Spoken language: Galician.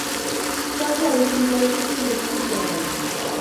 Xa o xoves temos varias citas interesantes pola volta.